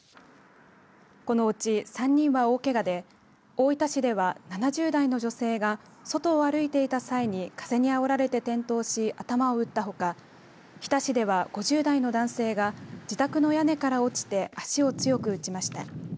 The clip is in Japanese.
このうち３人は大けがで大分市では７０代の女性が外を歩いていた際に風にあおられて転倒し頭を打ったほか日田市では５０代の男性が自宅の屋根から落ちて足を強く打ちました。